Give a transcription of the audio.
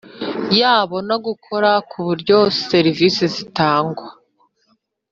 yabo no gukora ku buryo serivisi zitangwa